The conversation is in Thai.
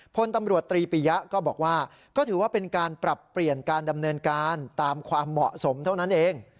พลตำรวจตรีปียะก็บอกว่าก็ถือว่าเป็นการปรับเปลี่ยนการดำเนินการตามความเหมาะสมเท่านั้นเอง